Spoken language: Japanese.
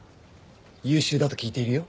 優秀だと聞いているよ。